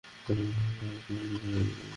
আচ্ছা, ওকে ভিতরে ডাকো, রিবিয়েরো।